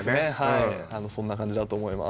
はいそんな感じだと思います